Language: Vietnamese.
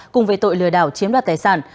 cùng về tội lừa đảo chiếm đoạt tài sản